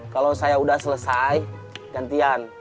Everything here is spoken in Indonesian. kalau saya udah selesai gantian